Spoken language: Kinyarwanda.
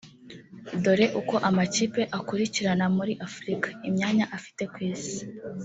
Dore uko amakipe akurikirana muri Afurika (imyaka afite ku isi)